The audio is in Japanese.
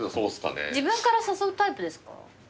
自分から誘うタイプですか？